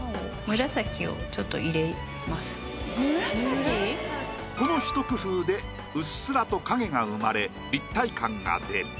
ちょっとこのひと工夫でうっすらと影が生まれ立体感が出る。